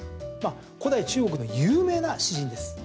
古代中国の有名な詩人です。